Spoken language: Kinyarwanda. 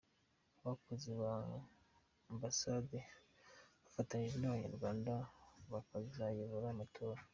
Abakozi ba Ambasade bafatanije n’Abanyarwanda bakazayobora amatora.